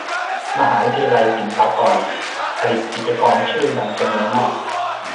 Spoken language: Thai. มหาวิทยาลัยศิลปากร ผลิตจิตรกรชื่อดังจำนวนมาก